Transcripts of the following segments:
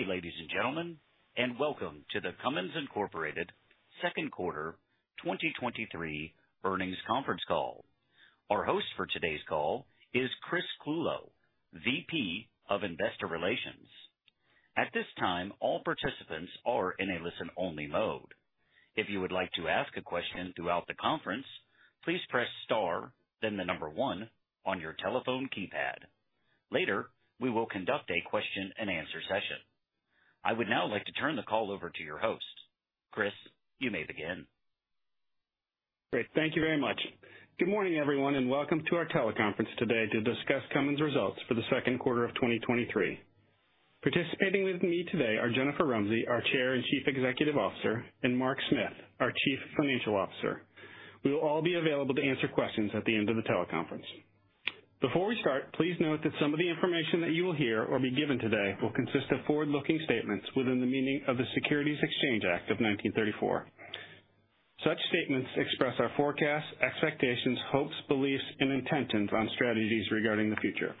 Good day, ladies and gentlemen, and welcome to the Cummins Incorporated Second Quarter 2023 Earnings Conference Call. Our host for today's call is Chris Clulow, Vice President, Investor Relations. At this time, all participants are in a listen-only mode. If you would like to ask a question throughout the conference, please press star, then 1 on your telephone keypad. Later, we will conduct a question-and-answer session. I would now like to turn the call over to your host. Chris, you may begin. Great. Thank you very much. Good morning, everyone, and welcome to our teleconference today to discuss Cummins' results for the second quarter of 2023. Participating with me today are Jennifer Rumsey, our Chair and Chief Executive Officer, and Mark Smith, our Chief Financial Officer. We will all be available to answer questions at the end of the teleconference. Before we start, please note that some of the information that you will hear or be given today will consist of forward-looking statements within the meaning of the Securities Exchange Act of 1934. Such statements express our forecasts, expectations, hopes, beliefs, and intentions on strategies regarding the future.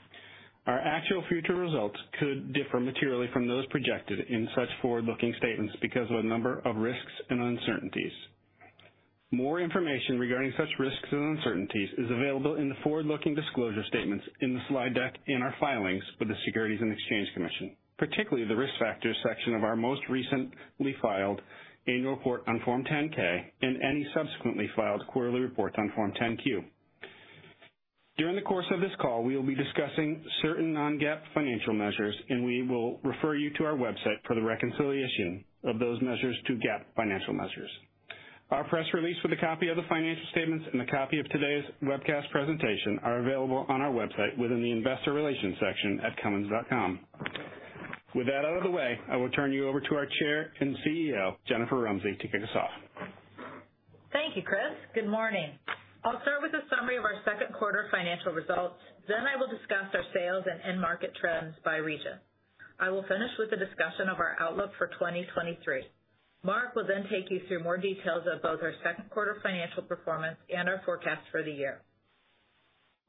Our actual future results could differ materially from those projected in such forward-looking statements because of a number of risks and uncertainties. More information regarding such risks and uncertainties is available in the forward-looking disclosure statements in the slide deck and our filings with the Securities and Exchange Commission, particularly the Risk Factors section of our most recently filed annual report on Form 10-K, and any subsequently filed quarterly reports on Form 10-Q. During the course of this call, we will be discussing certain non-GAAP financial measures, and we will refer you to our website for the reconciliation of those measures to GAAP financial measures. Our press release with a copy of the financial statements and a copy of today's webcast presentation are available on our website within the Investor Relations section at cummins.com. With that out of the way, I will turn you over to our Chair and CEO, Jennifer Rumsey, to kick us off. Thank you, Chris. Good morning. I'll start with a summary of our second quarter financial results, then I will discuss our sales and end market trends by region. I will finish with a discussion of our outlook for 2023. Mark will then take you through more details of both our second quarter financial performance and our forecast for the year.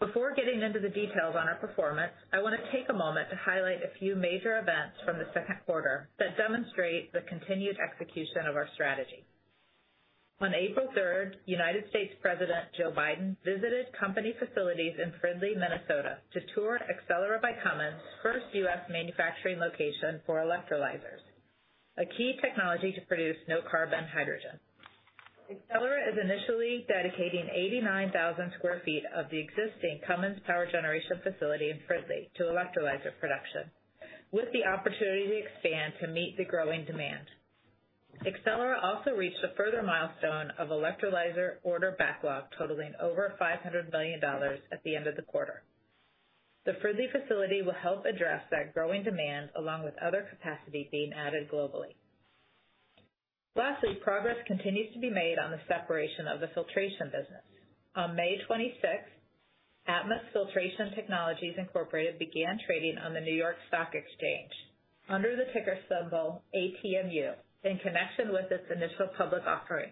Before getting into the details on our performance, I wanna take a moment to highlight a few major events from the second quarter that demonstrate the continued execution of our strategy. On April 3, United States President Joe Biden visited company facilities in Fridley, Minnesota, to tour Accelera by Cummins' first U.S. manufacturing location for electrolyzers, a key technology to produce no-carbon hydrogen. Accelera is initially dedicating 89,000 sq. ft. of the existing Cummins power generation facility in Fridley to electrolyzer production, with the opportunity to expand to meet the growing demand. Accelera also reached a further milestone of electrolyzer order backlog, totaling over $500 million at the end of the quarter. The Fridley facility will help address that growing demand, along with other capacity being added globally. Lastly, progress continues to be made on the separation of the Filtration Business. On May 26th, Atmus Filtration Technologies Inc. began trading on the New York Stock Exchange under the ticker symbol ATMU, in connection with its initial public offering.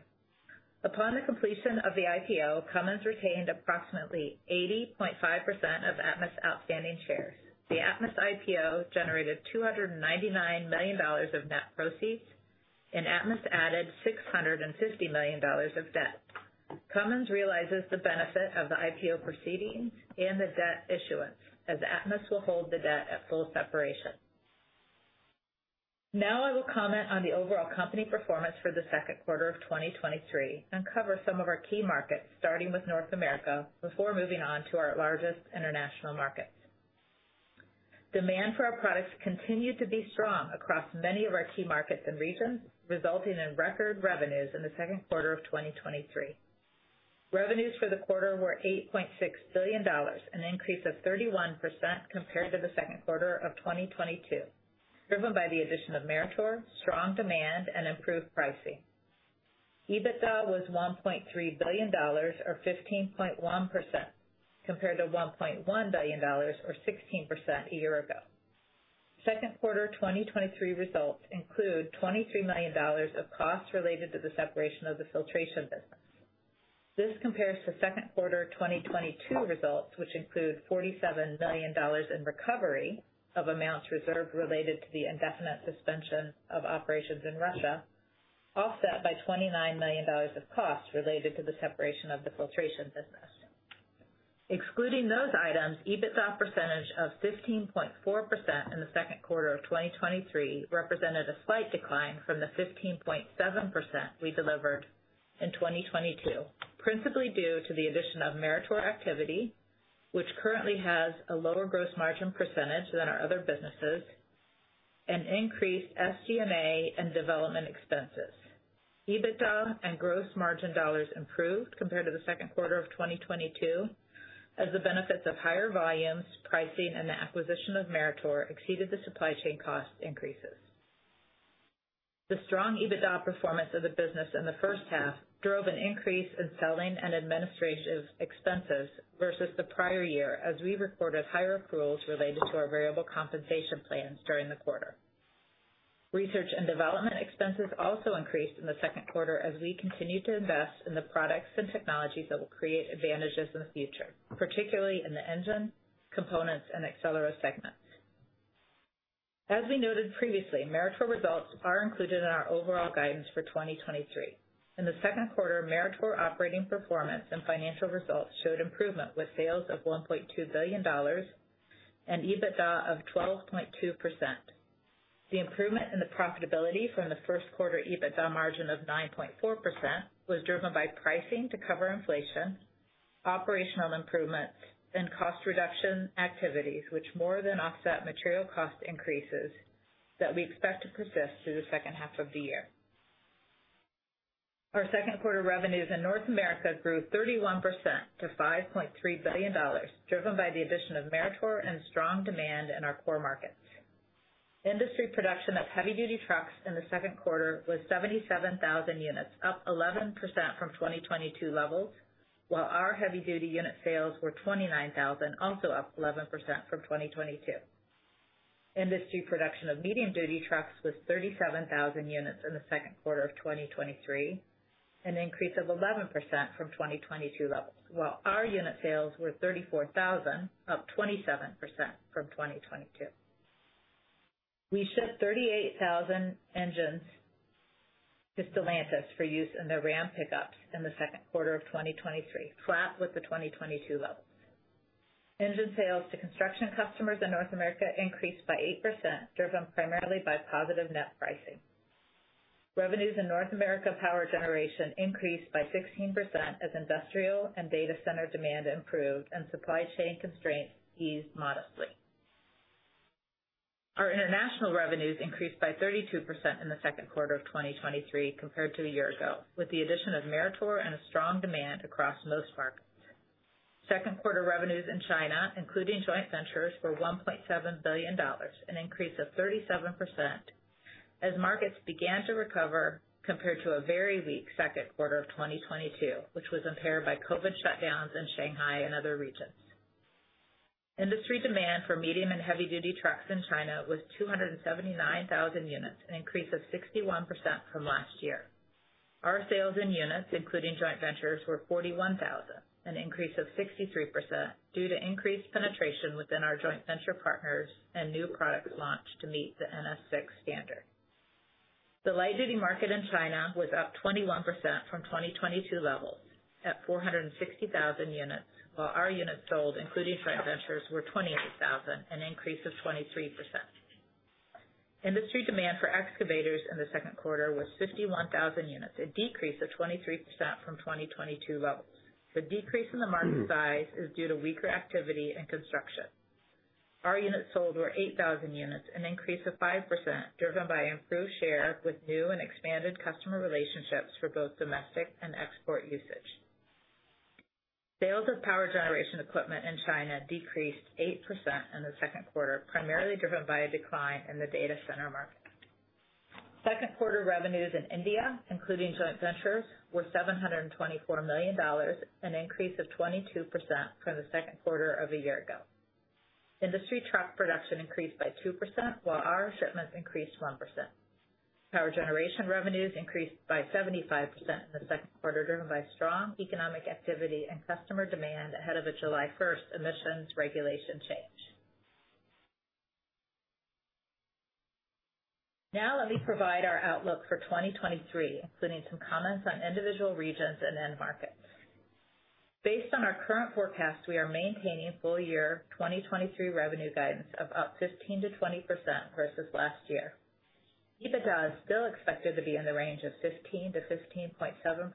Upon the completion of the IPO, Cummins retained approximately 80.5% of Atmus' outstanding shares. The Atmus IPO generated $299 million of net proceeds, and Atmus added $650 million of debt. Cummins realizes the benefit of the IPO proceedings and the debt issuance, as Atmus will hold the debt at full separation. Now I will comment on the overall company performance for the second quarter of 2023 and cover some of our key markets, starting with North America, before moving on to our largest international markets. Demand for our products continued to be strong across many of our key markets and regions, resulting in record revenues in the second quarter of 2023. Revenues for the quarter were $8.6 billion, an increase of 31% compared to the second quarter of 2022, driven by the addition of Meritor, strong demand, and improved pricing. EBITDA was $1.3 billion, or 15.1%, compared to $1.1 billion, or 16% a year ago. Second quarter 2023 results include $23 million of costs related to the separation of the Filtration Business. This compares to second quarter 2022 results, which include $47 million in recovery of amounts reserved related to the indefinite suspension of operations in Russia, offset by $29 million of costs related to the separation of the Filtration Business. Excluding those items, EBITDA percentage of 15.4% in the second quarter of 2023 represented a slight decline from the 15.7% we delivered in 2022, principally due to the addition of Meritor activity, which currently has a lower gross margin percentage than our other businesses, and increased SG&A and development expenses. EBITDA and gross margin dollars improved compared to the second quarter of 2022, as the benefits of higher volumes, pricing, and the acquisition of Meritor exceeded the supply chain cost increases. The strong EBITDA performance of the business in the first half drove an increase in selling and administrative expenses versus the prior year, as we recorded higher accruals related to our variable compensation plans during the quarter. Research and development expenses also increased in the second quarter as we continued to invest in the products and technologies that will create advantages in the future, particularly in the engine, components, and Accelera segments. As we noted previously, Meritor results are included in our overall guidance for 2023. In the second quarter, Meritor operating performance and financial results showed improvement, with sales of $1.2 billion and EBITDA of 12.2%. The improvement in the profitability from the first quarter EBITDA margin of 9.4% was driven by pricing to cover inflation, operational improvements and cost reduction activities, which more than offset material cost increases that we expect to persist through the second half of the year. Our second quarter revenues in North America grew 31% to $5.3 billion, driven by the addition of Meritor and strong demand in our core markets. Industry production of heavy-duty trucks in the second quarter was 77,000 units, up 11% from 2022 levels, while our heavy-duty unit sales were 29,000, also up 11% from 2022. Industry production of medium-duty trucks was 37,000 units in the second quarter of 2023, an increase of 11% from 2022 levels, while our unit sales were 34,000, up 27% from 2022. We shipped 38,000 engines to Stellantis for use in their Ram pickups in the second quarter of 2023, flat with the 2022 levels. Engine sales to construction customers in North America increased by 8%, driven primarily by positive net pricing. Revenues in North America power generation increased by 16% as industrial and data center demand improved and supply chain constraints eased modestly. Our international revenues increased by 32% in the second quarter of 2023 compared to a year ago, with the addition of Meritor and a strong demand across most markets. Second quarter revenues in China, including joint ventures, were $1.7 billion, an increase of 37% as markets began to recover compared to a very weak second quarter of 2022, which was impaired by COVID-19 shutdowns in Shanghai and other regions. Industry demand for medium and heavy-duty trucks in China was 279,000 units, an increase of 61% from last year. Our sales in units, including joint ventures, were 41,000, an increase of 63% due to increased penetration within our joint venture partners and new product launch to meet the NS6 standard. The light-duty market in China was up 21% from 2022 levels at 460,000 units, while our units sold, including joint ventures, were 28,000, an increase of 23%. Industry demand for excavators in the second quarter was 51,000 units, a decrease of 23% from 2022 levels. The decrease in the market size is due to weaker activity and construction. Our units sold were 8,000 units, an increase of 5%, driven by improved share with new and expanded customer relationships for both domestic and export usage. Sales of power generation equipment in China decreased 8% in the second quarter, primarily driven by a decline in the data center market. Second quarter revenues in India, including joint ventures, were $724 million, an increase of 22% from the second quarter of a year ago. Industry truck production increased by 2%, while our shipments increased 1%. Power generation revenues increased by 75% in the second quarter, driven by strong economic activity and customer demand ahead of the July 1st emissions regulation change. Now let me provide our outlook for 2023, including some comments on individual regions and end markets. Based on our current forecast, we are maintaining full year 2023 revenue guidance of up 15%-20% versus last year. EBITDA is still expected to be in the range of 15%-15.7%.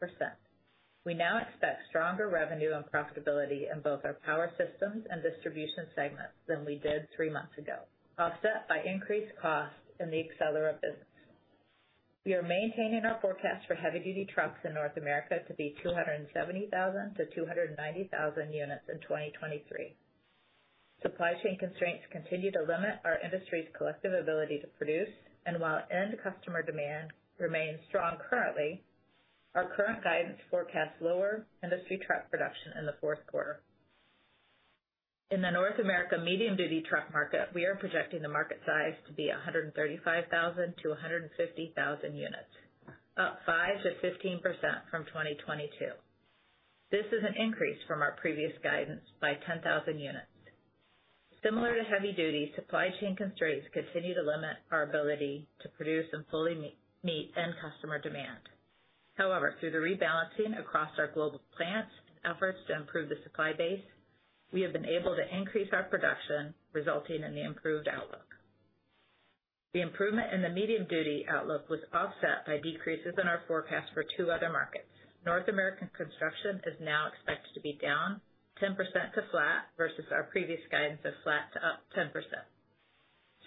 We now expect stronger revenue and profitability in both our Power Systems and Distribution segments than we did three months ago, offset by increased costs in the Accelera business. We are maintaining our forecast for heavy-duty trucks in North America to be 270,000-290,000 units in 2023. Supply chain constraints continue to limit our industry's collective ability to produce. While end customer demand remains strong currently, our current guidance forecasts lower industry truck production in the fourth quarter. In the North America medium-duty truck market, we are projecting the market size to be 135,000 to 150,000 units, up 5%-15% from 2022. This is an increase from our previous guidance by 10,000 units. Similar to heavy-duty, supply chain constraints continue to limit our ability to produce and fully meet end customer demand. However, through the rebalancing across our global plants and efforts to improve the supply base, we have been able to increase our production, resulting in the improved outlook. The improvement in the medium-duty outlook was offset by decreases in our forecast for two other markets. North American construction is now expected to be down 10% to flat versus our previous guidance of flat to up 10%.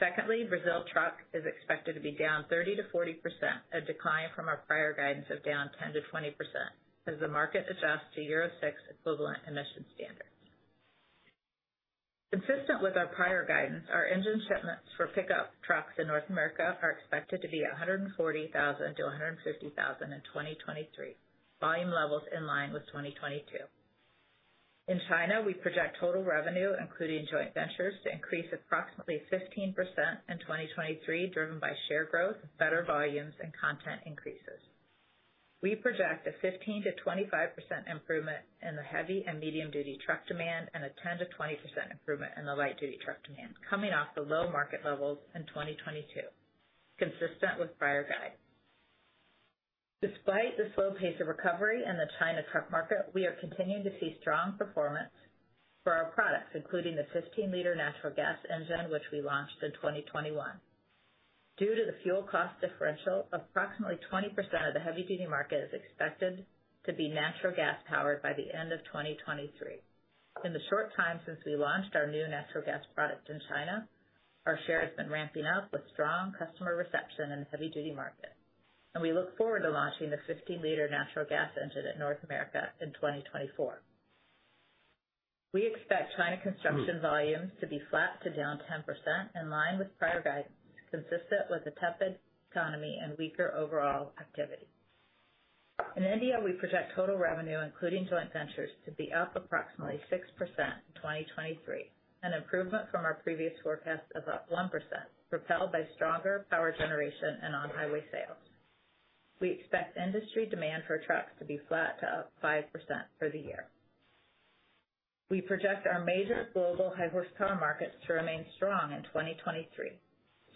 Secondly, Brazil truck is expected to be down 30%-40%, a decline from our prior guidance of down 10%-20% as the market adjusts to Euro 6 equivalent emission standards. Consistent with our prior guidance, our engine shipments for pickup trucks in North America are expected to be 140,000 to 150,000 in 2023, volume levels in line with 2022. In China, we project total revenue, including joint ventures, to increase approximately 15% in 2023, driven by share growth, better volumes, and content increases. We project a 15%-25% improvement in the heavy and medium-duty truck demand and a 10%-20% improvement in the light-duty truck demand, coming off the low market levels in 2022, consistent with prior guidance. Despite the slow pace of recovery in the China truck market, we are continuing to see strong performance for our products, including the 15-liter natural gas engine, which we launched in 2021. Due to the fuel cost differential, approximately 20% of the heavy-duty market is expected to be natural gas powered by the end of 2023. In the short time since we launched our new natural gas product in China, our share has been ramping up with strong customer reception in the heavy-duty market, and we look forward to launching the 15-liter natural gas engine in North America in 2024. We expect China construction volumes to be flat to down 10%, in line with prior guidance, consistent with the tepid economy and weaker overall activity. In India, we project total revenue, including joint ventures, to be up approximately 6% in 2023, an improvement from our previous forecast of up 1%, propelled by stronger power generation and on-highway sales. We expect industry demand for trucks to be flat to up 5% for the year. We project our major global high horsepower markets to remain strong in 2023.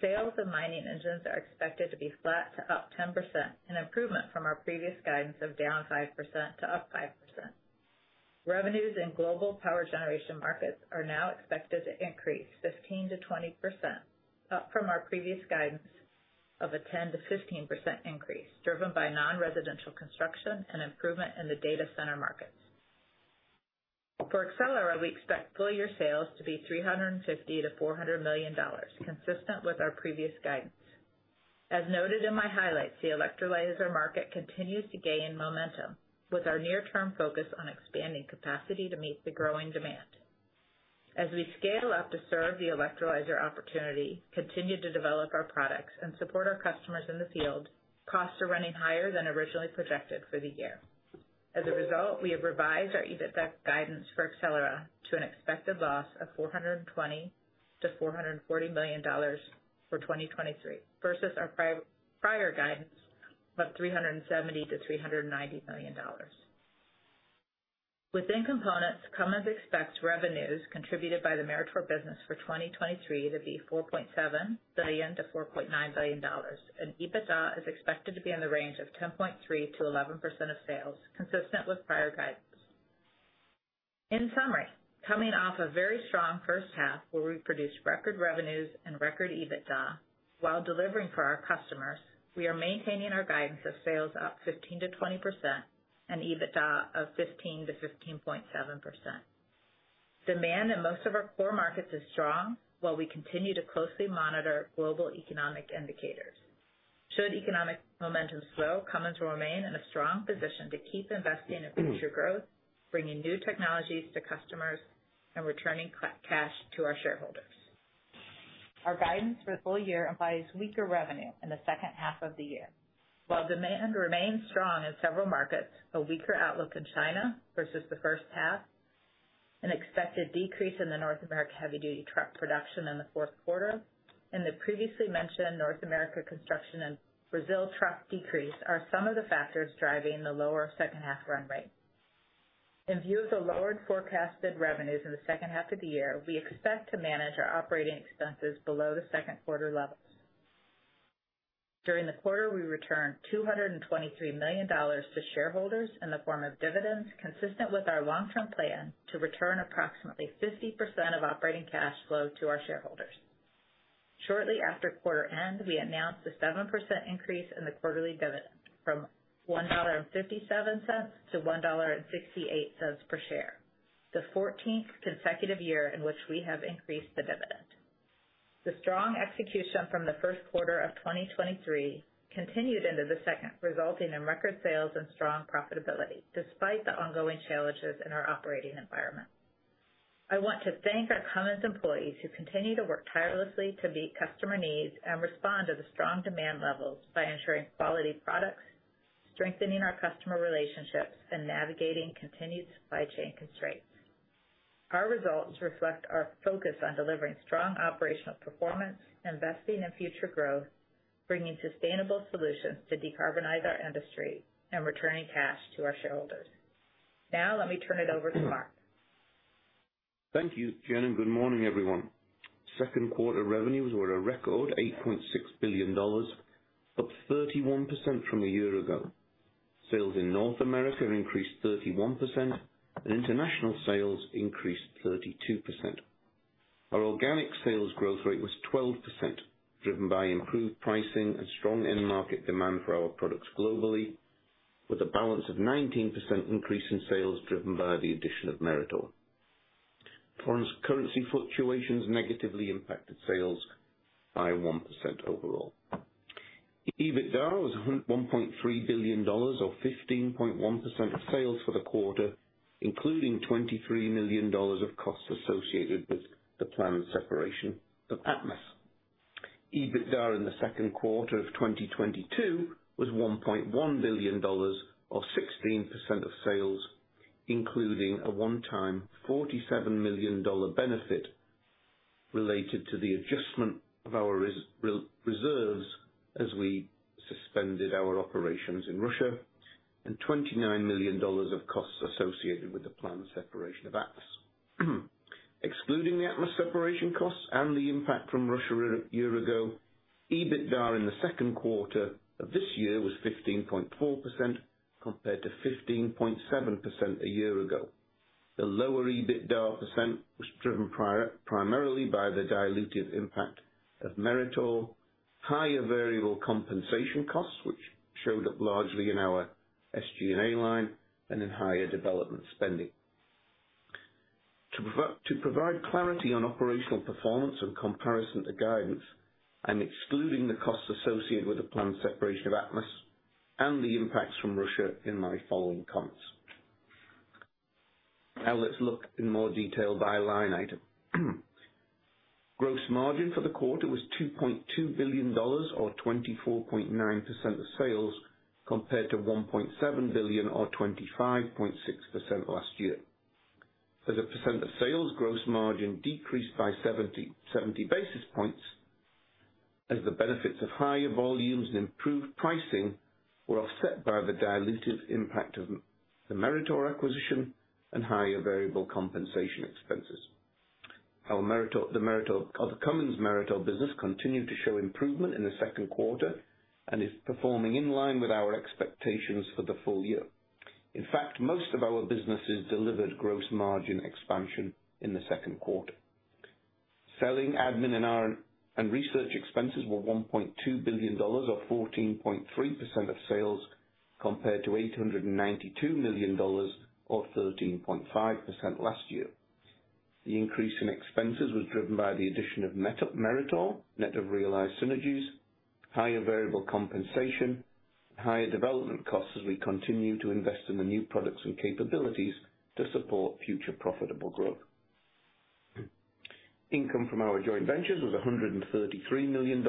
Sales of mining engines are expected to be flat to up 10%, an improvement from our previous guidance of down 5% to up 5%. Revenues in global power generation markets are now expected to increase 15%-20%, up from our previous guidance of a 10%-15% increase, driven by non-residential construction and improvement in the data center markets. For Accelera, we expect full year sales to be $350 million-$400 million, consistent with our previous guidance. As noted in my highlights, the electrolyzer market continues to gain momentum, with our near-term focus on expanding capacity to meet the growing demand. As we scale up to serve the electrolyzer opportunity, continue to develop our products, and support our customers in the field, costs are running higher than originally projected for the year. As a result, we have revised our EBITDA guidance for Accelera to an expected loss of $420 million-$440 million for 2023, versus our prior guidance of $370 million-$390 million. Within components, Cummins expects revenues contributed by the Meritor business for 2023 to be $4.7 billion-$4.9 billion, and EBITDA is expected to be in the range of 10.3%-11% of sales, consistent with prior guidance. In summary, coming off a very strong first half where we produced record revenues and record EBITDA while delivering for our customers, we are maintaining our guidance of sales up 15%-20% and EBITDA of 15%-15.7%. Demand in most of our core markets is strong, while we continue to closely monitor global economic indicators. Should economic momentum slow, Cummins will remain in a strong position to keep investing in future growth, bringing new technologies to customers, and returning cash to our shareholders. Our guidance for the full year implies weaker revenue in the second half of the year. While demand remains strong in several markets, a weaker outlook in China versus the first half, an expected decrease in the North America heavy-duty truck production in the fourth quarter, and the previously mentioned North America construction and Brazil truck decrease are some of the factors driving the lower second half run rate. In view of the lowered forecasted revenues in the second half of the year, we expect to manage our operating expenses below the second quarter levels. During the quarter, we returned $223 million to shareholders in the form of dividends, consistent with our long-term plan to return approximately 50% of operating cash flow to our shareholders. Shortly after quarter end, we announced a 7% increase in the quarterly dividend from $1.57 to $1.68 per share, the 14th consecutive year in which we have increased the dividend. The strong execution from the first quarter of 2023 continued into the second, resulting in record sales and strong profitability, despite the ongoing challenges in our operating environment. I want to thank our Cummins employees who continue to work tirelessly to meet customer needs and respond to the strong demand levels by ensuring quality products, strengthening our customer relationships, and navigating continued supply chain constraints. Our results reflect our focus on delivering strong operational performance, investing in future growth, bringing sustainable solutions to decarbonize our industry, and returning cash to our shareholders. Now, let me turn it over to Mark. Thank you, Jen, and good morning, everyone. Second quarter revenues were a record $8.6 billion, up 31% from a year ago. Sales in North America increased 31%, and international sales increased 32%. Our organic sales growth rate was 12%, driven by improved pricing and strong end market demand for our products globally, with a balance of 19% increase in sales driven by the addition of Meritor. Foreign currency fluctuations negatively impacted sales by 1% overall. EBITDA was $1.3 billion or 15.1% of sales for the quarter, including $23 million of costs associated with the planned separation of Atmus. EBITDA in the second quarter of 2022 was $1.1 billion, or 16% of sales, including a one-time $47 million benefit related to the adjustment of our reserves as we suspended our operations in Russia, and $29 million of costs associated with the planned separation of Atmus. Excluding the Atmus separation costs and the impact from Russia a year ago, EBITDA in the second quarter of this year was 15.4%, compared to 15.7% a year ago. The lower EBITDA percent was driven primarily by the dilutive impact of Meritor, higher variable compensation costs, which showed up largely in our SG&A line, and in higher development spending. To provide clarity on operational performance in comparison to guidance, I'm excluding the costs associated with the planned separation of Atmus and the impacts from Russia in my following comments. Now let's look in more detail by line item. Gross margin for the quarter was $2.2 billion, or 24.9% of sales, compared to $1.7 billion, or 25.6% last year. As a percent of sales, gross margin decreased by 70 basis points, as the benefits of higher volumes and improved pricing were offset by the dilutive impact of the Meritor acquisition and higher variable compensation expenses. The Meritor, the Cummins Meritor business continued to show improvement in the second quarter and is performing in line with our expectations for the full year. In fact, most of our businesses delivered gross margin expansion in the second quarter. Selling, admin, and research expenses were $1.2 billion, or 14.3% of sales, compared to $892 million, or 13.5% last year. The increase in expenses was driven by the addition of Meritor, net of realized synergies, higher variable compensation, higher development costs as we continue to invest in the new products and capabilities to support future profitable growth. Income from our joint ventures was $133 million,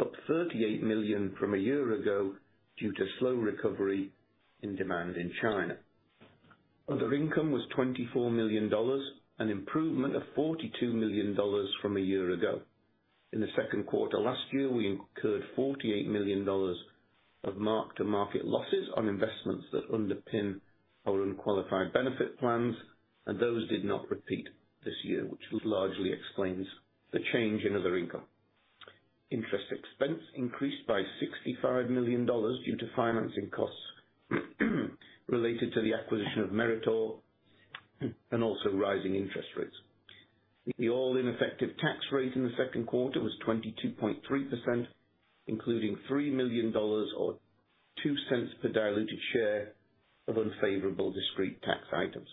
up $38 million from a year ago, due to slow recovery in demand in China. Other income was $24 million, an improvement of $42 million from a year ago. In the second quarter last year, we incurred $48 million of mark-to-market losses on investments that underpin our unqualified benefit plans. Those did not repeat this year, which largely explains the change in other income. Interest expense increased by $65 million due to financing costs related to the acquisition of Meritor, also rising interest rates. The all-in effective tax rate in the second quarter was 22.3%, including $3 million or $0.02 per diluted share of unfavorable discrete tax items.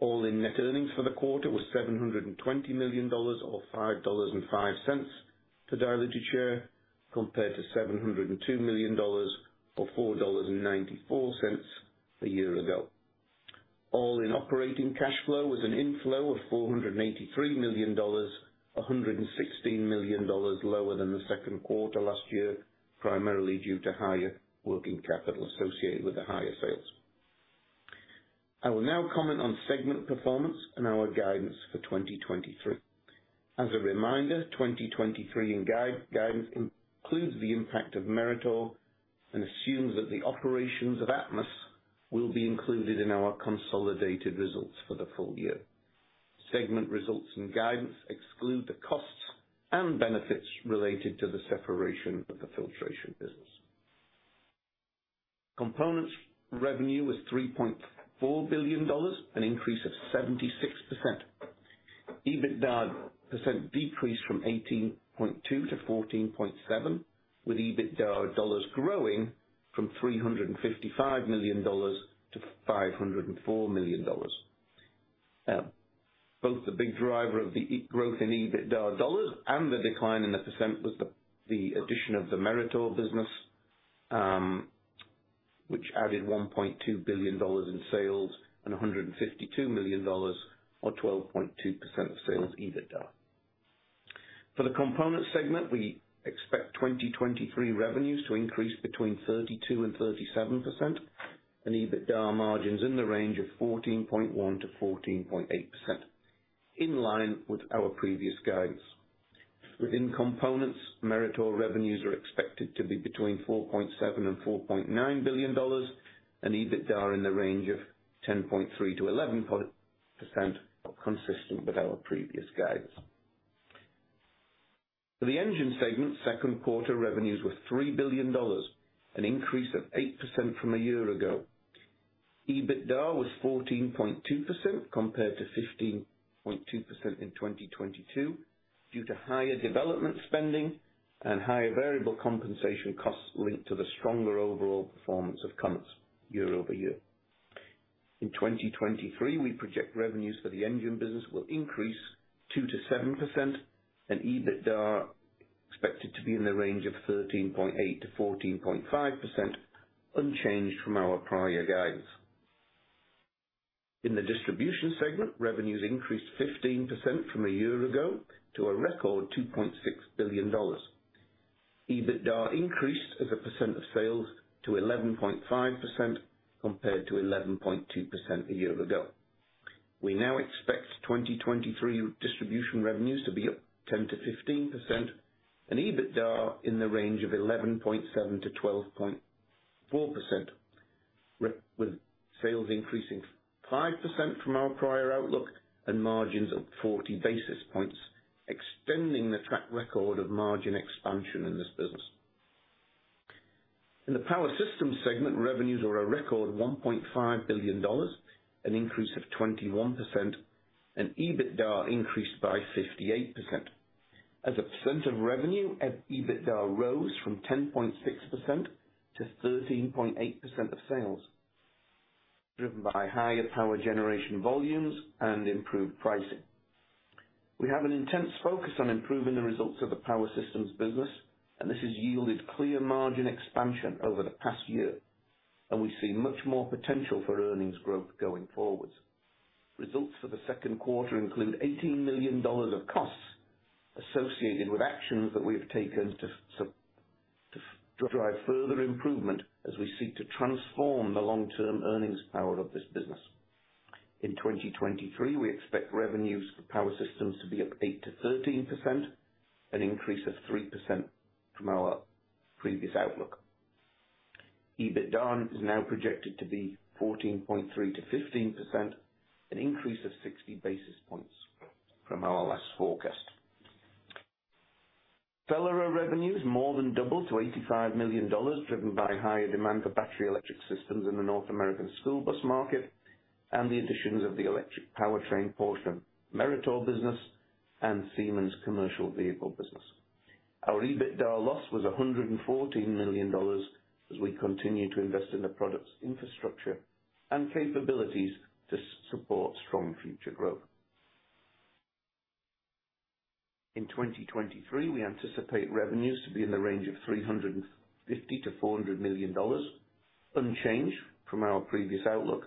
All-in net earnings for the quarter was $720 million, or $5.05 per diluted share, compared to $702 million, or $4.94 a year ago. All-in operating cash flow was an inflow of $483 million, $116 million lower than the second quarter last year, primarily due to higher working capital associated with the higher sales. I will now comment on segment performance and our guidance for 2023. As a reminder, 2023 guidance includes the impact of Meritor and assumes that the operations of Atmus will be included in our consolidated results for the full year. Segment results and guidance exclude the costs and benefits related to the separation of the Filtration Business. Components revenue was $3.4 billion, an increase of 76%. EBITDA percent decreased from 18.2% to 14.7%, with EBITDA dollars growing from $355 million to $504 million. Both the big driver of the e- growth in EBITDA dollars and the decline in the % was the addition of the Meritor business, which added $1.2 billion in sales and $152 million, or 12.2% of sales EBITDA. For the components segment, we expect 2023 revenues to increase between 32% and 37%, and EBITDA margins in the range of 14.1%-14.8%, in line with our previous guidance. Within components, Meritor revenues are expected to be between $4.7 billion and $4.9 billion, and EBITDA in the range of 10.3%-11.%, consistent with our previous guidance. For the engine segment, second quarter revenues were $3 billion, an increase of 8% from a year ago. EBITDA was 14.2%, compared to 15.2% in 2022, due to higher development spending and higher variable compensation costs linked to the stronger overall performance of Cummins year-over-year. In 2023, we project revenues for the engine business will increase 2%-7%, and EBITDA expected to be in the range of 13.8%-14.5%, unchanged from our prior guidance. In the Distribution segment, revenues increased 15% from a year ago to a record $2.6 billion. EBITDA increased as a percent of sales to 11.5%, compared to 11.2% a year ago. We now expect 2023 Distribution revenues to be up 10%-15% and EBITDA in the range of 11.7%-12.4%, with sales increasing 5% from our prior outlook and margins up 40 basis points, extending the track record of margin expansion in this business. In the power systems segment, revenues are a record $1.5 billion, an increase of 21%, and EBITDA increased by 58%. As a percent of revenue, EBITDA rose from 10.6% to 13.8% of sales, driven by higher power generation volumes and improved pricing. We have an intense focus on improving the results of the power systems business, and this has yielded clear margin expansion over the past year, and we see much more potential for earnings growth going forward. Results for the second quarter include $18 million of costs associated with actions that we have taken to drive further improvement as we seek to transform the long-term earnings power of this business. In 2023, we expect revenues for power systems to be up 8%-13%, an increase of 3% from our previous outlook. EBITDA is now projected to be 14.3%-15%, an increase of 60 basis points from our last forecast. Accelera revenues more than doubled to $85 million, driven by higher demand for battery electric systems in the North American school bus market, and the additions of the electric powertrain portion, Meritor Business, and Siemens Commercial Vehicle Business. Our EBITDA loss was $114 million as we continue to invest in the product's infrastructure and capabilities to support strong future growth. In 2023, we anticipate revenues to be in the range of $350 million-$400 million, unchanged from our previous outlook,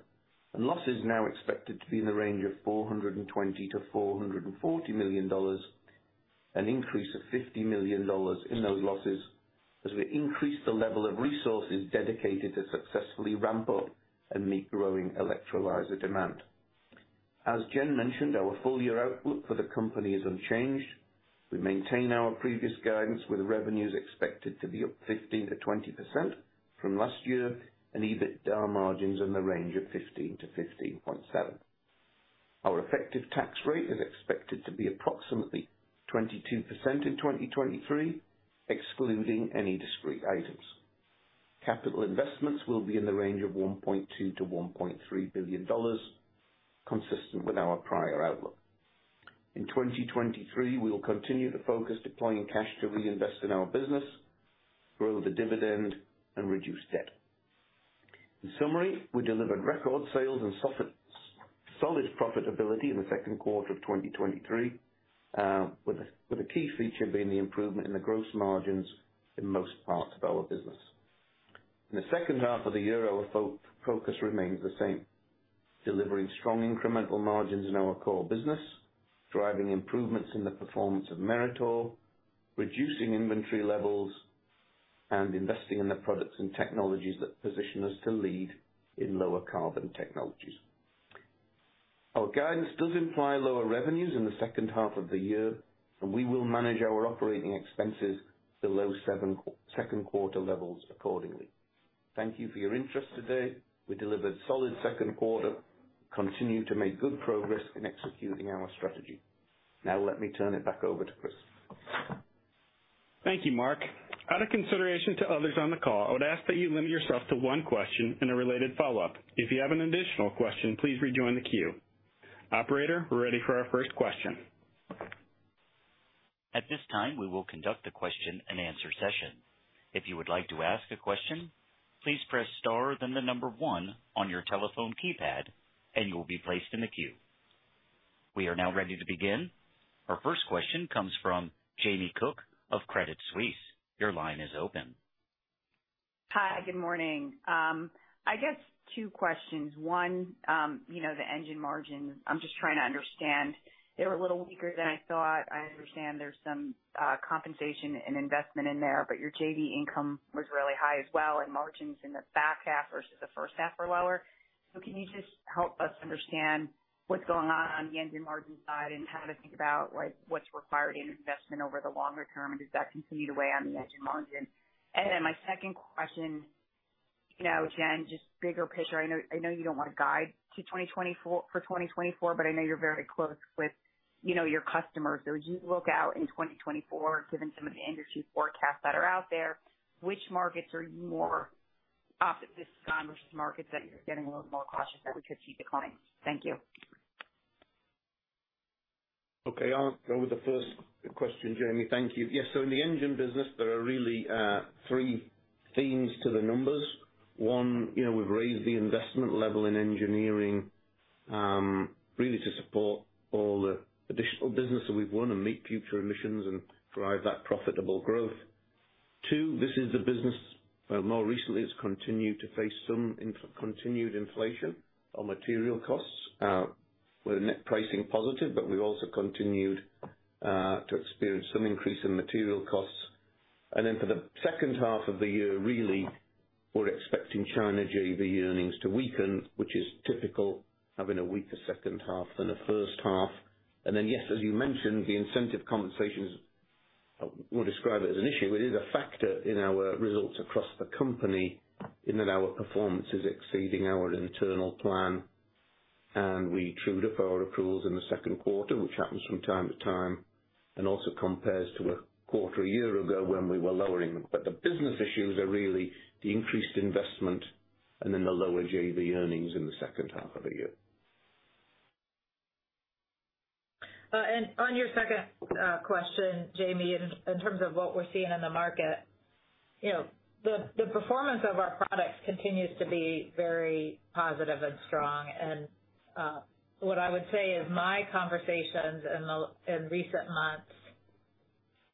losses now expected to be in the range of $420 million-$440 million, an increase of $50 million in those losses, as we increase the level of resources dedicated to successfully ramp up and meet growing electrolyzer demand. As Jen mentioned, our full year outlook for the company is unchanged. We maintain our previous guidance, with revenues expected to be up 15%-20% from last year and EBITDA margins in the range of 15%-15.7%. Our effective tax rate is expected to be approximately 22% in 2023, excluding any discrete items. Capital investments will be in the range of $1.2 billion-$1.3 billion, consistent with our prior outlook. In 2023, we will continue to focus deploying cash to reinvest in our business, grow the dividend, and reduce debt. In summary, we delivered record sales and solid, solid profitability in the second quarter of 2023, with a key feature being the improvement in the gross margins in most parts of our business. In the second half of the year, our focus remains the same: delivering strong incremental margins in our core business, driving improvements in the performance of Meritor, reducing inventory levels, and investing in the products and technologies that position us to lead in lower carbon technologies. Our guidance does imply lower revenues in the second half of the year, we will manage our operating expenses below second quarter levels accordingly. Thank you for your interest today. We delivered solid second quarter, continue to make good progress in executing our strategy. Now let me turn it back over to Chris. Thank you, Mark. Out of consideration to others on the call, I would ask that you limit yourself to one question and a related follow-up. If you have an additional question, please rejoin the queue. Operator, we're ready for our first question. At this time, we will conduct a question and answer session. If you would like to ask a question, please press star, then the number 1 on your telephone keypad, and you will be placed in the queue. We are now ready to begin. Our first question comes from Jamie Cook of Credit Suisse. Your line is open. Hi, good morning. I guess 2 questions. 1, you know, the engine margins. I'm just trying to understand. They were a little weaker than I thought. I understand there's some compensation and investment in there. Your JV income was really high as well. Margins in the back half versus the first half were lower. Can you just help us understand what's going on on the engine margin side and how to think about, like, what's required in investment over the longer term, and does that continue to weigh on the engine margin? My second question, you know, Jen, just bigger picture. I know, I know you don't want to guide to 2024... for 2024, but I know you're very close with, you know, your customers. As you look out in 2024, given some of the industry forecasts that are out there, which markets are you more optimistic on versus markets that you're getting a little more cautious about the future declines? Thank you. Okay, I'll go with the first question, Jamie. Thank you. Yes, in the engine business, there are really three themes to the numbers. One, you know, we've raised the investment level in engineering, really to support all the additional business that we've won and meet future emissions and drive that profitable growth. Two, this is the business, more recently, it's continued to face some continued inflation on material costs. We're net pricing positive, but we've also continued to experience some increase in material costs. For the second half of the year, really, we're expecting China JV earnings to weaken, which is typical, having a weaker second half than the first half. Yes, as you mentioned, the incentive compensations, we'll describe it as an issue. It is a factor in our results across the company in that our performance is exceeding our internal plan, and we trued up our approvals in the second quarter, which happens from time to time, and also compares to a quarter a year ago when we were lowering them. The business issues are really the increased investment and then the lower JV earnings in the second half of the year. On your second question, Jamie, in, in terms of what we're seeing in the market, you know, the, the performance of our products continues to be very positive and strong. What I would say is my conversations in the, in recent months,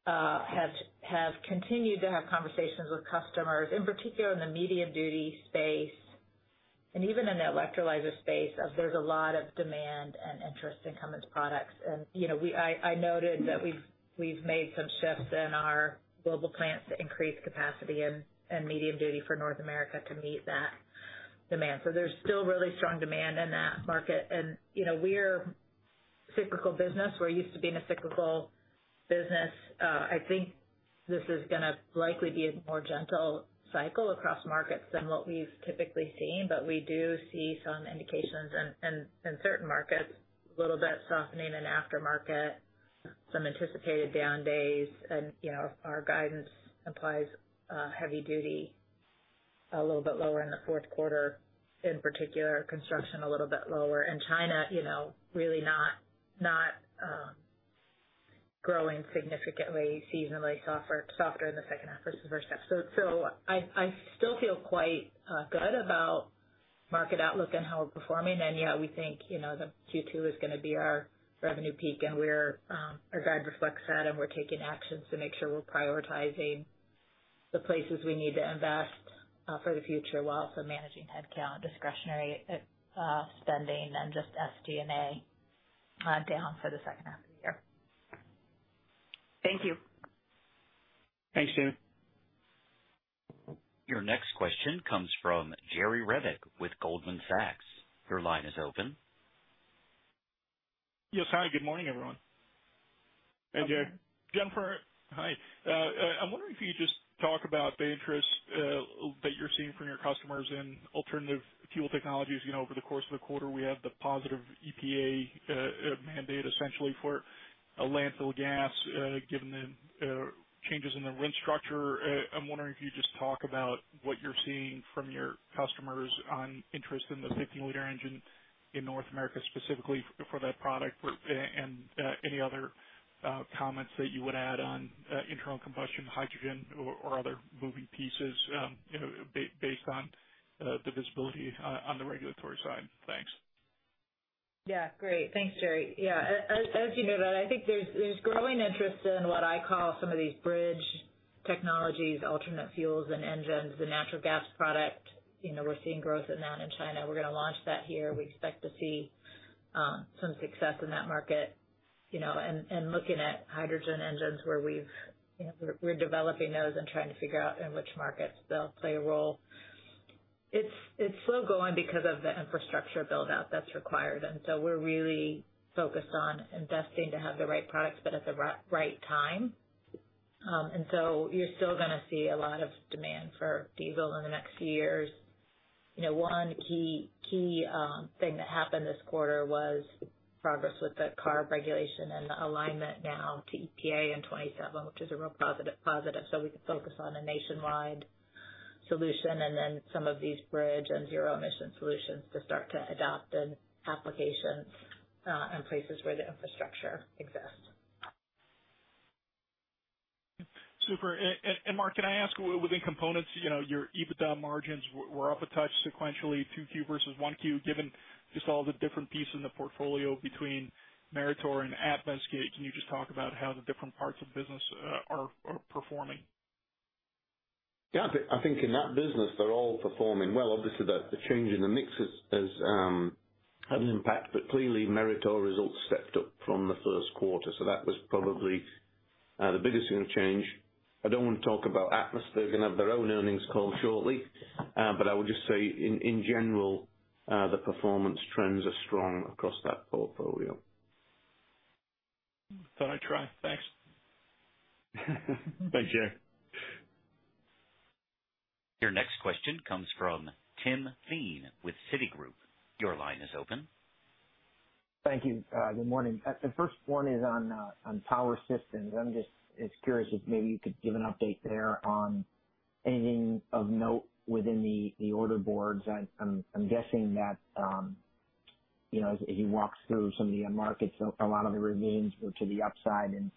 have, have continued to have conversations with customers, in particular in the medium-duty space and even in the electrolyzer space, as there's a lot of demand and interest in Cummins products. You know, we -- I, I noted that we've, we've made some shifts in our global plants to increase capacity in, in medium-duty for North America to meet that demand. There's still really strong demand in that market. You know, we're a cyclical business. We're used to being a cyclical business. I think this is gonna likely be a more gentle cycle across markets than what we've typically seen. We do see some indications in, in, in certain markets, a little bit softening in aftermarket, some anticipated down days. You know, our guidance implies heavy-duty a little bit lower in the fourth quarter, in particular, construction a little bit lower. China, you know, really not, not growing significantly, seasonally softer, softer in the second half versus first half. I still feel quite good about market outlook and how we're performing. Yeah, we think, you know, that Q2 is going to be our revenue peak, and we're, our guide reflects that, and we're taking actions to make sure we're prioritizing the places we need to invest, for the future, while also managing headcount, discretionary, spending and just SG&A, down for the second half of the year. Thank you. Thanks, Jenny. Your next question comes from Jerry Revich with Goldman Sachs. Your line is open. Yes. Hi, good morning, everyone. Hey, Jerry. Jennifer, hi. I'm wondering if you could just talk about the interest that you're seeing from your customers in alternative fuel technologies. You know, over the course of the quarter, we had the positive EPA mandate, essentially, for a landfill gas, given the changes in the RIN structure. I'm wondering if you could just talk about what you're seeing from your customers on interest in the 15-liter engine in North America, specifically for that product, and any other comments that you would add on internal combustion, hydrogen or other moving pieces, you know, based on the visibility on the regulatory side? Thanks. Yeah. Great. Thanks, Jerry. Yeah, as, as you know that, I think there's, there's growing interest in what I call some of these bridge technologies, alternate fuels and engines. The natural gas product, you know, we're seeing growth in that in China. We're gonna launch that here. We expect to see some success in that market, you know, and, and looking at hydrogen engines where we've, you know, we're, we're developing those and trying to figure out in which markets they'll play a role. It's, it's slow going because of the infrastructure build-out that's required, so we're really focused on investing to have the right products, but at the right time. So you're still gonna see a lot of demand for diesel in the next few years. You know, 1 key, key thing that happened this quarter was progress with the CARB regulation and the alignment now to EPA in 27, which is a real positive, positive. We can focus on a nationwide solution and then some of these bridge and zero emission solutions to start to adopt in applications and places where the infrastructure exists. Super. Mark, can I ask, within components, you know, your EBITDA margins were up a touch sequentially, 2Q versus 1Q, given just all the different pieces in the portfolio between Meritor and Atmus. Can you just talk about how the different parts of the business are performing? Yeah, I think in that business, they're all performing well. Obviously, the, the change in the mix has, has had an impact, but clearly, Meritor results stepped up from the first quarter, so that was probably the biggest thing of change. I don't want to talk about Atmus. They're gonna have their own earnings call shortly. I would just say in, in general, the performance trends are strong across that portfolio. Thought I'd try. Thanks. Thanks, Jerry. Your next question comes from Tim Thein with Citigroup. Your line is open. Thank you. Good morning. The first one is on, on power systems. I'm just, just curious if maybe you could give an update there on anything of note within the, the order boards. I'm, I'm, I'm guessing that, you know, as, as you walk through some of the markets, a lot of the remains were to the upside, and,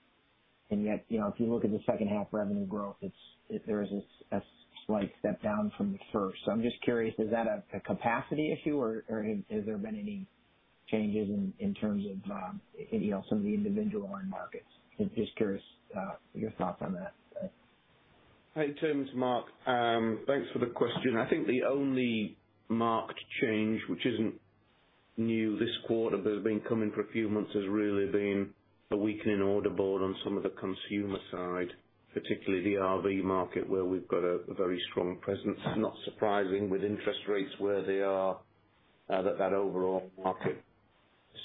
and yet, you know, if you look at the second half revenue growth, it's, there is a slight step down from the first. I'm just curious, is that a, a capacity issue, or, or has there been any changes in, in terms of, you know, some of the individual end markets. Just curious, your thoughts on that. Hey, Tim, it's Mark. Thanks for the question. I think the only marked change, which isn't new this quarter, but has been coming for a few months, has really been a weakening order board on some of the consumer side, particularly the RV market, where we've got a very strong presence. Not surprising, with interest rates where they are, that overall market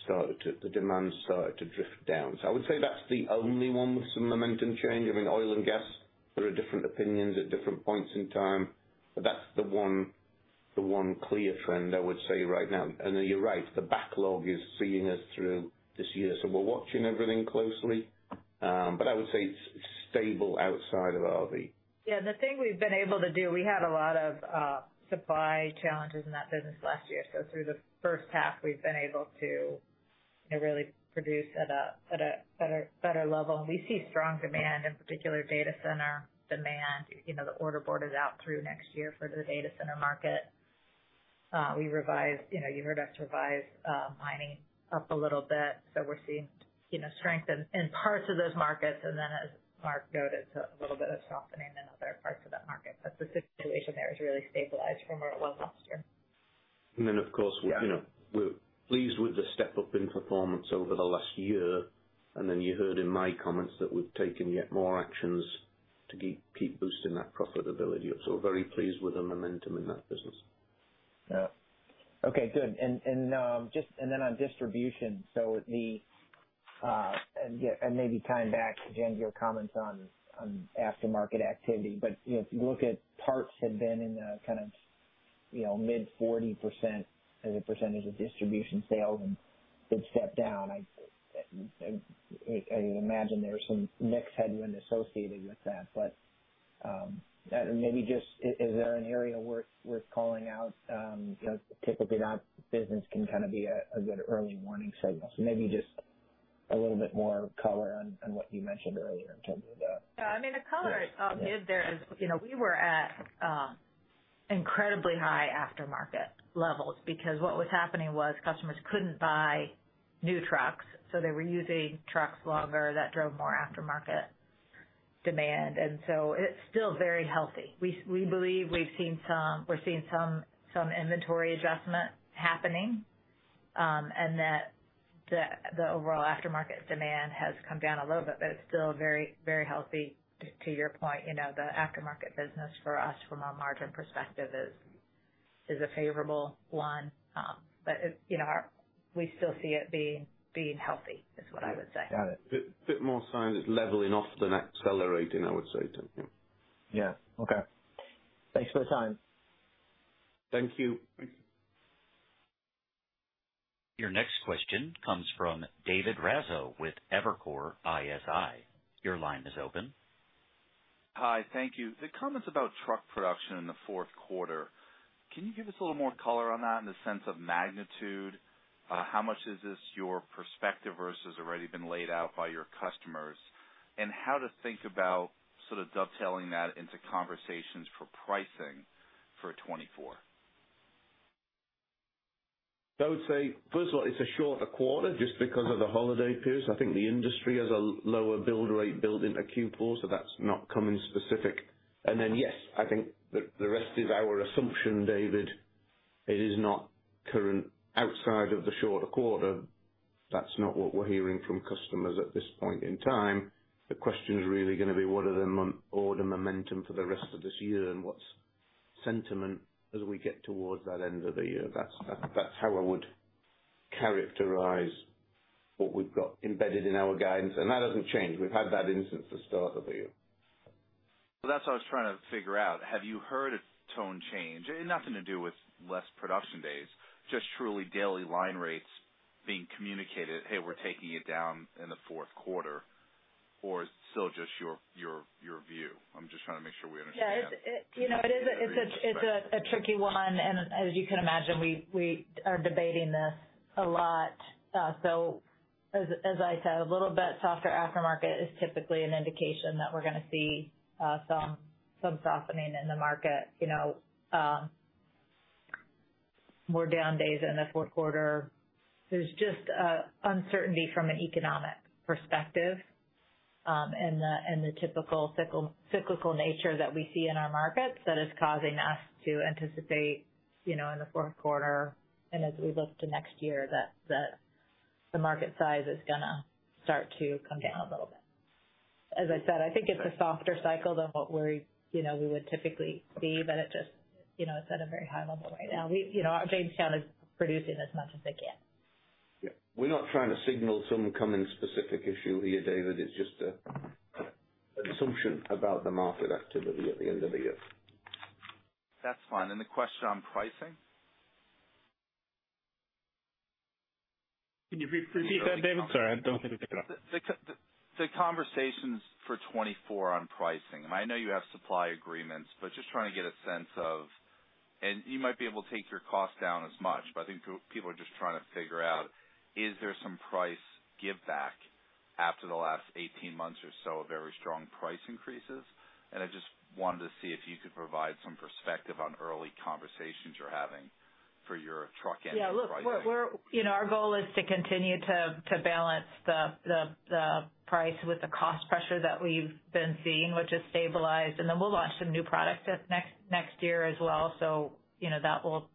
started to-- the demand started to drift down. I would say that's the only one with some momentum change. I mean, oil and gas, there are different opinions at different points in time, that's the one clear trend I would say right now. You're right, the backlog is seeing us through this year. We're watching everything closely. I would say it's stable outside of RV. Yeah, the thing we've been able to do, we had a lot of supply challenges in that business last year. Through the first half, we've been able to, you know, really produce at a, at a better, better level. We see strong demand, in particular data center demand. You know, the order board is out through next year for the data center market. We revised - you know, you heard us revise mining up a little bit. We're seeing, you know, strength in, in parts of those markets. Then, as Mark noted, a little bit of softening in other parts of that market. The situation there has really stabilized from where it was last year. Of course, you know, we're pleased with the step-up in performance over the last year. You heard in my comments that we've taken yet more actions to keep, keep boosting that profitability up. We're very pleased with the momentum in that business. Yeah. Okay, good. On Distribution, maybe tying back to, Jen, your comments on aftermarket activity, but, you know, if you look at parts have been in the kind of, you know, mid 40% as a percentage of Distribution sales and did step down. I would imagine there are some mix headwinds associated with that. Maybe just, is there an area worth calling out? Because typically that business can kind of be a good early warning signal. Maybe just a little bit more color on what you mentioned earlier in terms of the- Yeah, I mean, the color I'll give there is, you know, we were at incredibly high aftermarket levels because what was happening was customers couldn't buy new trucks, so they were using trucks longer that drove more aftermarket demand. So it's still very healthy. We, we believe we've seen some, we're seeing some, some inventory adjustment happening, and that the, the overall aftermarket demand has come down a little bit, but it's still very, very healthy. To, to your point, you know, the aftermarket business for us, from a margin perspective is, is a favorable one. You know, we still see it being, being healthy is what I would say. Got it. Bit, bit more sign it's leveling off than accelerating, I would say, Tim, yeah. Yeah. Okay. Thanks for the time. Thank you. Your next question comes from David Raso with Evercore ISI. Your line is open. Hi. Thank you. The comments about truck production in the fourth quarter, can you give us a little more color on that in the sense of magnitude? How much is this your perspective versus already been laid out by your customers? How to think about sort of dovetailing that into conversations for pricing for 2024. I would say, first of all, it's a shorter quarter just because of the holiday period. I think the industry has a lower build rate building a Q4. That's not coming specific. Yes, I think the rest is our assumption, David. It is not current outside of the shorter quarter. That's not what we're hearing from customers at this point in time. The question is really going to be, what are the month order momentum for the rest of this year, and what's sentiment as we get towards that end of the year? That's how I would characterize what we've got embedded in our guidance, and that hasn't changed. We've had that in since the start of the year. Well, that's what I was trying to figure out. Have you heard a tone change? Nothing to do with less production days, just truly daily line rates being communicated: "Hey, we're taking it down in the fourth quarter," or is it still just your, your, your view? I'm just trying to make sure we understand. Yeah, it, it, you know, it is a, it's a, a tricky one, and as you can imagine, we, we are debating this a lot. As, as I said, a little bit softer aftermarket is typically an indication that we're going to see some softening in the market. You know, more down days in the fourth quarter. There's just a uncertainty from an economic perspective, and the typical cyclical nature that we see in our markets that is causing us to anticipate, you know, in the fourth quarter and as we look to next year, that the, the market size is gonna start to come down a little bit. As I said, I think it's a softer cycle than what we're, you know, we would typically see, but it just, you know, it's at a very high level right now. We, you know, our Jamestown is producing as much as they can. Yeah. We're not trying to signal some coming specific issue here, David. It's just an assumption about the market activity at the end of the year. That's fine. The question on pricing? Can you repeat that, David? Sorry, I don't think I picked it up. The conversations for 2024 on pricing. I know you have supply agreements, but just trying to get a sense of... You might be able to take your cost down as much, but I think people are just trying to figure out, is there some price give back?... after the last 18 months or so of very strong price increases. I just wanted to see if you could provide some perspective on early conversations you're having for your truck engine pricing. Yeah. Look, we're You know, our goal is to continue to balance the price with the cost pressure that we've been seeing, which has stabilized. Then we'll launch some new products next year as well. You know, that will,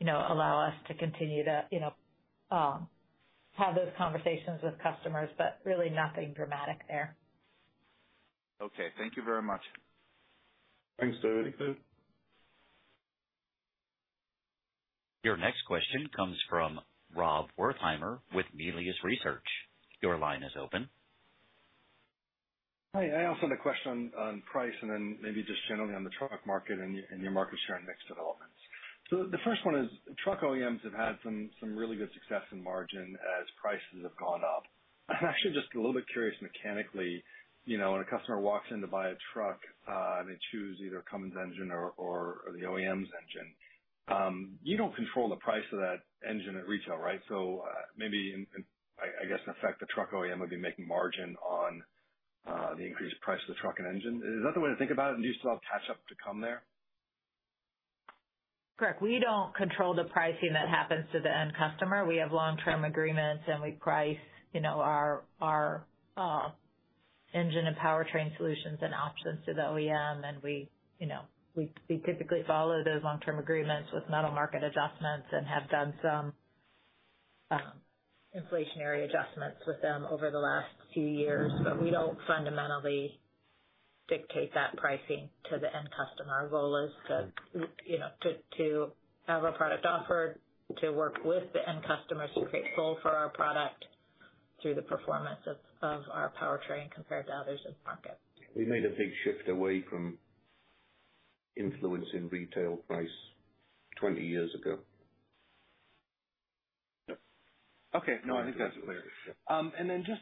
you know, allow us to continue to, you know, have those conversations with customers, but really nothing dramatic there. Okay, thank you very much. Thanks, David. Your next question comes from Rob Wertheimer with Melius Research. Your line is open. Hi. I also had a question on price and then maybe just generally on the truck market and, and your market share and mix developments. The first one is, truck OEMs have had some, some really good success in margin as prices have gone up. I'm actually just a little bit curious mechanically. You know, when a customer walks in to buy a truck, and they choose either a Cummins engine or, or, or the OEM's engine, you don't control the price of that engine at retail, right? Maybe in, I, I guess, in effect, the truck OEM would be making margin on the increased price of the truck and engine. Is that the way to think about it? And do you still have catch up to come there? Correct. We don't control the pricing that happens to the end customer. We have long-term agreements, we price, you know, our, our engine and powertrain solutions and options to the OEM. We, you know, we, we typically follow those long-term agreements with metal market adjustments and have done some inflationary adjustments with them over the last few years. We don't fundamentally dictate that pricing to the end customer. Our goal is to, you know, to, to have our product offered, to work with the end customer to create pull for our product through the performance of, of our powertrain compared to others in the market. We made a big shift away from influencing retail price 20 years ago. Okay. No, I think that's clear. Just,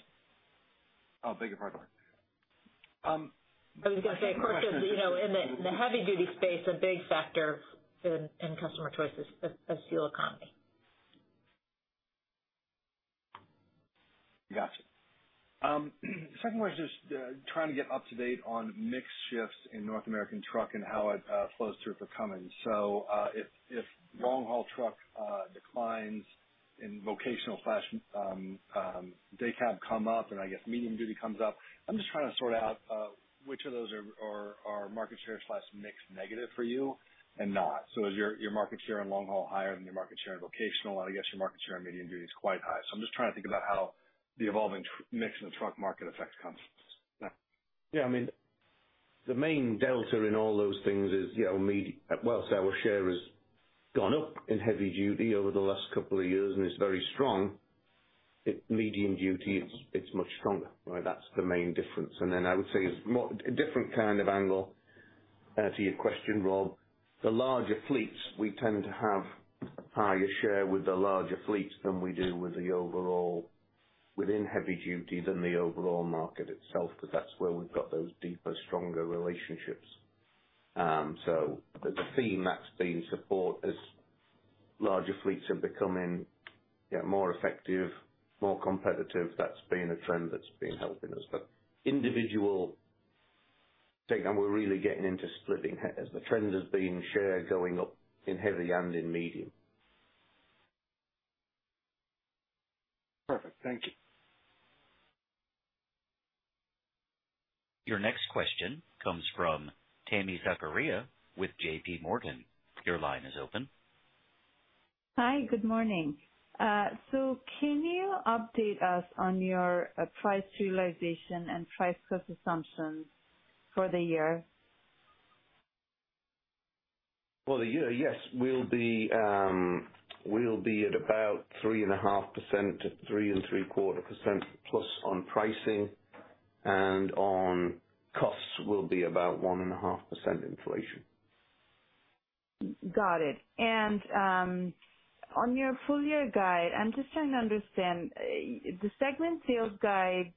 Oh, beg your pardon. I was going to say, of course, you know, in the, the heavy-duty space, a big factor in, in customer choice is, is fuel economy. Gotcha. Second one is just trying to get up to date on mix shifts in North American truck and how it flows through for Cummins. If long haul truck declines in vocational slash day cab come up and I guess medium-duty comes up, I'm just trying to sort out which of those are market share slash mix negative for you and not. Is your market share in long haul higher than your market share in vocational? I guess your market share in medium-duty is quite high. I'm just trying to think about how the evolving mix in the truck market affects Cummins. Yeah. I mean, the main delta in all those things is, you know, well, our share has gone up in heavy-duty over the last couple of years and is very strong. In medium-duty, it's, it's much stronger. Right? That's the main difference. Then I would say it's more a different kind of angle to your question, Rob. The larger fleets, we tend to have a higher share with the larger fleets than we do with the overall within heavy-duty than the overall market itself, because that's where we've got those deeper, stronger relationships. So the theme that's been support as larger fleets are becoming, yeah, more effective, more competitive, that's been a trend that's been helping us. Individual take, and we're really getting into splitting hairs. The trend has been share going up in heavy and in medium. Perfect. Thank you. Your next question comes from Tami Zakaria with J.P. Morgan. Your line is open. Hi, good morning. Can you update us on your price realization and price cost assumptions for the year? For the year, yes, we'll be, we'll be at about 3.5% to 3.75% plus on pricing and on costs will be about 1.5% inflation. Got it. On your full year guide, I'm just trying to understand, the segment sales guide,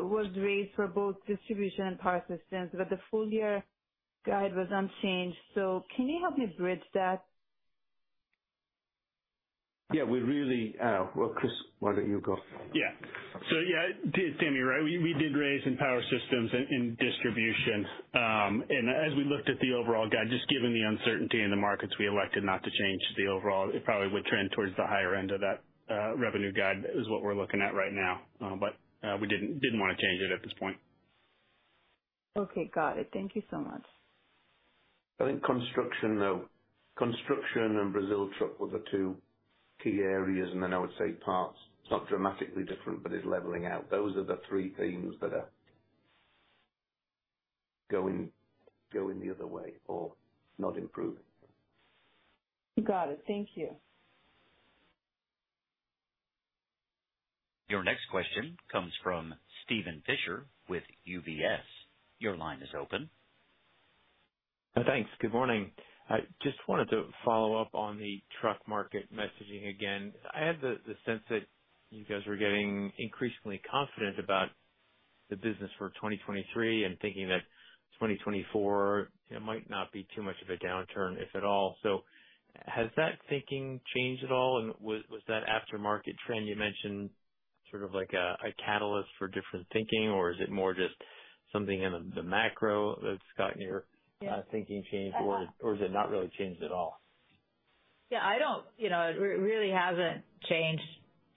was raised for both Distribution and Power Systems, but the full year guide was unchanged. Can you help me bridge that? Yeah, we really, well, Chris, why don't you go? Yeah, Tami, right, we, we did raise in Power Systems and in Distribution. As we looked at the overall guide, just given the uncertainty in the markets, we elected not to change the overall. It probably would trend towards the higher end of that revenue guide is what we're looking at right now. We didn't, didn't want to change it at this point. Okay, got it. Thank you so much. I think construction, though, construction and Brazil truck were the two key areas, and then I would say parts. It's not dramatically different, but it's leveling out. Those are the three themes that are going, going the other way or not improving. Got it. Thank you. Your next question comes from Steven Fisher with UBS. Your line is open. Thanks. Good morning. I just wanted to follow up on the truck market messaging again. I had the, the sense that you guys were getting increasingly confident about-... the business for 2023 and thinking that 2024, it might not be too much of a downturn, if at all. Has that thinking changed at all, and was, was that aftermarket trend you mentioned sort of like a, a catalyst for different thinking, or is it more just something in the, the macro that's gotten your- Yeah. Thinking changed, or, or is it not really changed at all? Yeah, I don't, you know, it really hasn't changed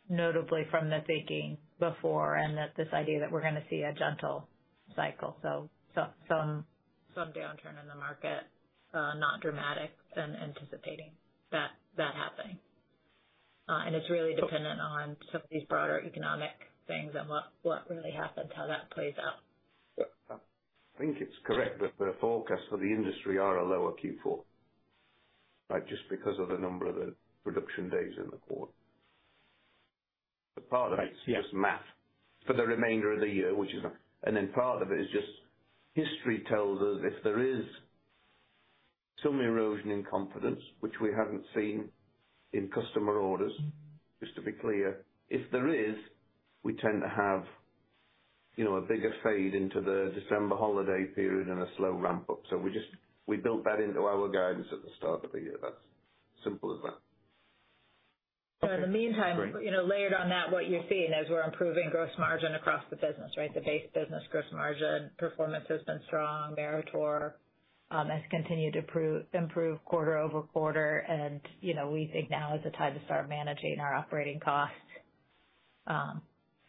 notably from the thinking before, and that this idea that we're gonna see a gentle cycle, so some, some downturn in the market, not dramatic and anticipating that, that happening. It's really dependent on some of these broader economic things and what, what really happens, how that plays out. Yeah. I think it's correct that the forecast for the industry are a lower Q4, right? Just because of the number of production days in the quarter. Part of it. Right. Yeah. Is just math for the remainder of the year, which is. Then part of it is just history tells us if there is some erosion in confidence, which we haven't seen in customer orders, just to be clear, if there is, we tend to have, you know, a bigger fade into the December holiday period and a slow ramp up. We just, we built that into our guidance at the start of the year. That's simple as that. in the meantime. Great. You know, layered on that, what you're seeing is we're improving gross margin across the business, right? The base business gross margin performance has been strong. Accelera has continued to improve quarter-over-quarter. You know, we think now is the time to start managing our operating costs,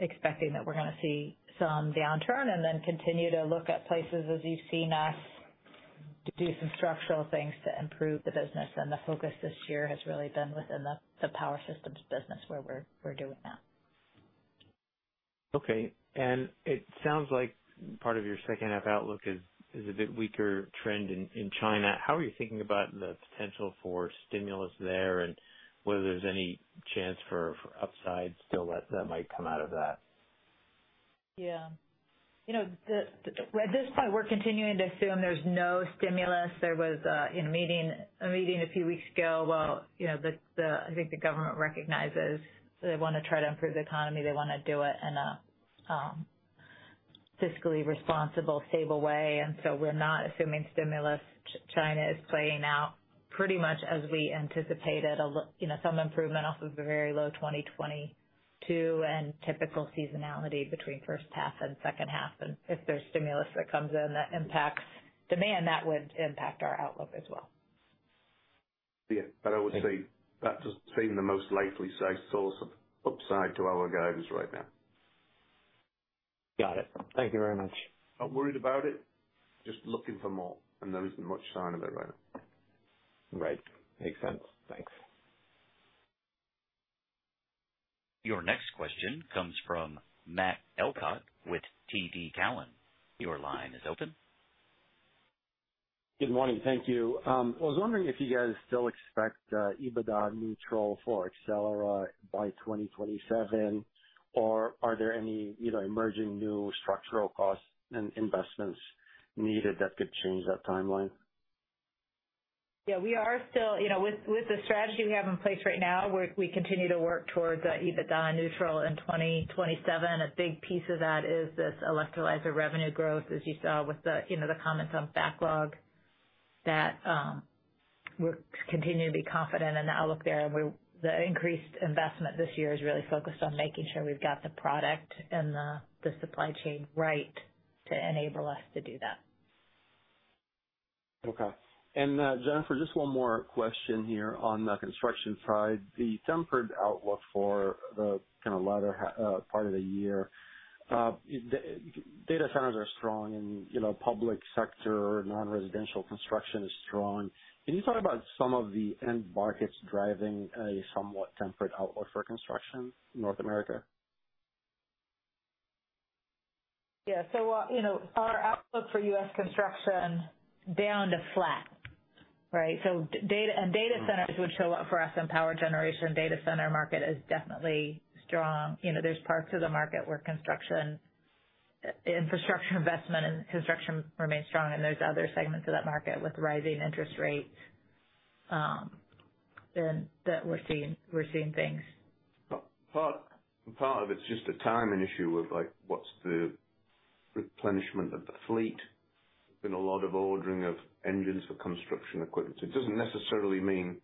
expecting that we're gonna see some downturn and then continue to look at places as you've seen us do some structural things to improve the business. The focus this year has really been within the, the power systems business, where we're, we're doing that. Okay. It sounds like part of your second half outlook is, is a bit weaker trend in, in China. How are you thinking about the potential for stimulus there, and whether there's any chance for, for upside still that, that might come out of that? Yeah. You know, the, at this point, we're continuing to assume there's no stimulus. There was in a meeting, a meeting a few weeks ago, while, you know, I think the government recognizes they wanna try to improve the economy. They wanna do it in a fiscally responsible, stable way. We're not assuming stimulus. China is playing out pretty much as we anticipated. You know, some improvement off of the very low 2022 and typical seasonality between first half and second half. If there's stimulus that comes in, that impacts demand, that would impact our outlook as well. Yeah. I would say that just seems the most likely, say, source of upside to our guidance right now. Got it. Thank you very much. Not worried about it, just looking for more, and there isn't much sign of it right now. Right. Makes sense. Thanks. Your next question comes from Matt Elkott with TD Cowen. Your line is open. Good morning. Thank you. I was wondering if you guys still expect EBITDA neutral for Accelera by 2027, or are there any, you know, emerging new structural costs and investments needed that could change that timeline? Yeah, we are still, you know, with, with the strategy we have in place right now, we continue to work towards EBITDA neutral in 2027. A big piece of that is this electrolyzer revenue growth, as you saw with the, you know, the comments on backlog, that we're continuing to be confident in the outlook there. The increased investment this year is really focused on making sure we've got the product and the supply chain right to enable us to do that. Okay. Jennifer, just one more question here on the construction side. The tempered outlook for the kind of latter part of the year, data centers are strong and, you know, public sector, non-residential construction is strong. Can you talk about some of the end markets driving a somewhat tempered outlook for construction in North America? Yeah. well, you know, our outlook for U.S. construction down to flat, right? data and data centers- Mm-hmm. would show up for us in power generation. Data center market is definitely strong. You know, there's parts of the market where construction, infrastructure investment and construction remains strong, and there's other segments of that market with rising interest rates, and that we're seeing, we're seeing things. Part of it's just a timing issue of like, what's the replenishment of the fleet? Been a lot of ordering of engines for construction equipment. It doesn't necessarily mean...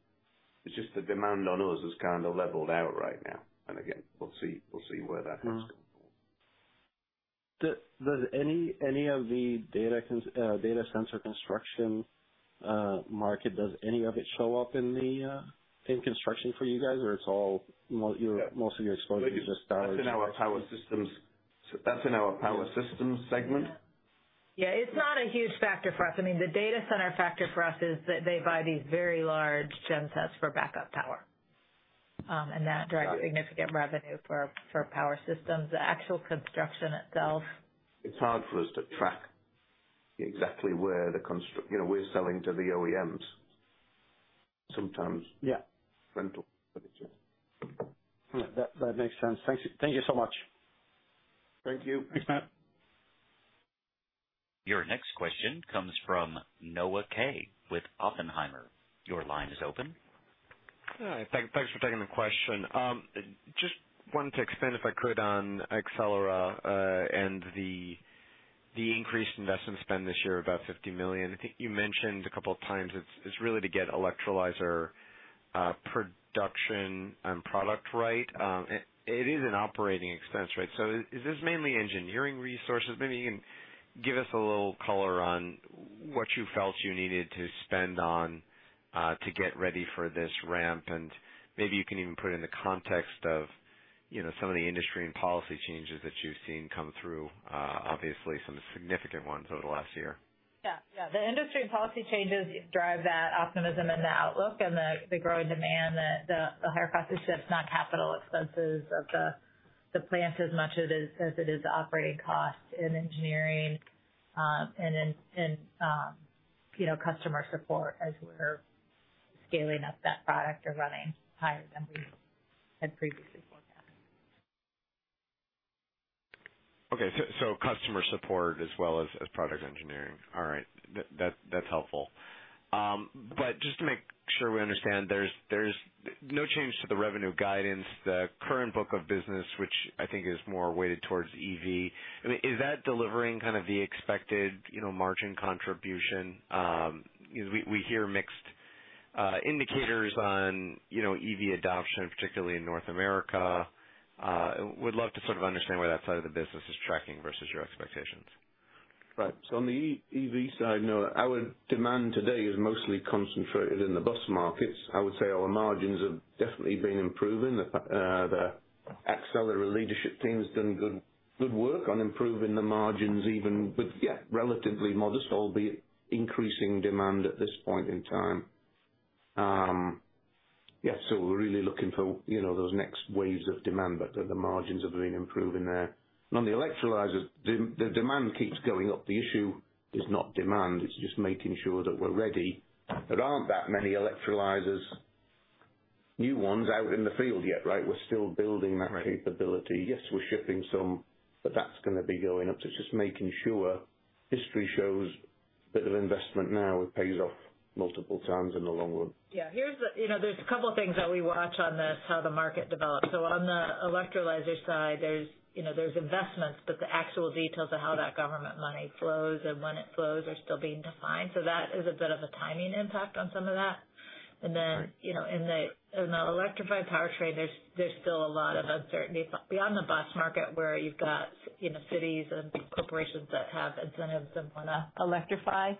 It's just the demand on us is kind of leveled out right now, and again, we'll see, we'll see where that goes. Mm-hmm. Does any, any of the data center construction market, does any of it show up in the in construction for you guys? Or it's all you're-? Yeah. most of your exposure is just- That's in our power systems, that's in our power systems segment. Yeah, it's not a huge factor for us. I mean, the data center factor for us is that they buy these very large gensets for backup power, and that drives. Got it. significant revenue for, for power systems. The actual construction itself. It's hard for us to track exactly where the you know, we're selling to the OEMs sometimes. Yeah. Rental. Yeah, that, that makes sense. Thank you, thank you so much. Thank you. Thanks, Matt. Your next question comes from Noah Kaye with Oppenheimer. Your line is open. Hi, thanks for taking the question. Just wanted to expand, if I could, on Accelera, and the increased investment spend this year, about $50 million. I think you mentioned a couple of times, it's really to get electrolyzer production and product right. It is an operating expense, right? Is this mainly engineering resources? Maybe you can give us a little color on what you felt you needed to spend on, to get ready for this ramp, and maybe you can even put it in the context of, you know, some of the industry and policy changes that you've seen come through, obviously some significant ones over the last year? Yeah. Yeah. The industry and policy changes drive that optimism and the outlook and the, the growing demand that the, the higher process shifts, not capital expenses of the, the plant as much it is, as it is the operating costs in engineering, and in, you know, customer support as we're scaling up that product or running higher than we had previously forecasted. Okay. Customer support as well as, as product engineering. All right. That's helpful. Just to make sure we understand, there's, there's no change to the revenue guidance, the current book of business, which I think is more weighted towards EV. I mean, is that delivering kind of the expected margin contribution? We hear mixed indicators on EV adoption, particularly in North America. Love to sort of understand where that side of the business is tracking versus your expectations. Right. On the EV side, Noah, our demand today is mostly concentrated in the bus markets. I would say our margins have definitely been improving. The Accelera leadership team has done good, good work on improving the margins even with, yeah, relatively modest, albeit increasing demand at this point in time. Yeah, we're really looking for, you know, those next waves of demand, but the margins have been improving there. On the electrolyzers, the, the demand keeps going up. The issue is not demand, it's just making sure that we're ready. There aren't that many electrolyzers, new ones, out in the field yet, right? We're still building that capability. Right. Yes, we're shipping some, but that's gonna be going up. It's just making sure history shows that an investment now pays off multiple times in the long run. Yeah. You know, there's a couple of things that we watch on this, how the market develops. On the electrolyzer side, there's, you know, there's investments, but the actual details of how that government money flows and when it flows are still being defined. That is a bit of a timing impact on some of that. Right. Then, you know, in the, in the electrified powertrain, there's, there's still a lot of uncertainty beyond the bus market, where you've got, you know, cities and corporations that have incentives and wanna electrify,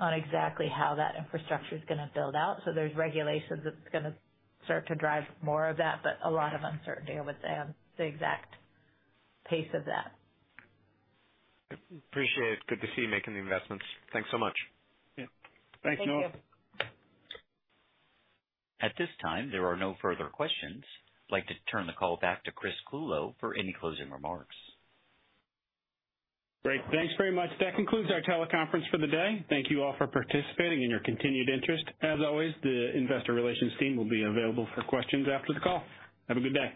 on exactly how that infrastructure is gonna build out. There's regulations that's gonna start to drive more of that, but a lot of uncertainty, I would say, on the exact pace of that. Appreciate it. Good to see you making the investments. Thanks so much. Yeah. Thanks, Noah. Thank you. At this time, there are no further questions. I'd like to turn the call back to Chris Clulow for any closing remarks. Great. Thanks very much. That concludes our teleconference for the day. Thank you all for participating and your continued interest. As always, the Investor Relations team will be available for questions after the call. Have a good day.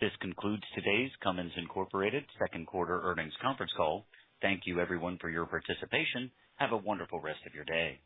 This concludes today's Cummins Incorporated second quarter earnings conference call. Thank you everyone for your participation. Have a wonderful rest of your day.